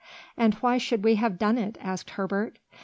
"And why should we have done it?" asked Herbert.